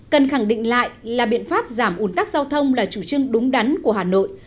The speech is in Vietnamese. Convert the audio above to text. cần khẳng định lại là biện pháp giảm ủn tắc giao thông là chủ trương đúng đắn của hà nội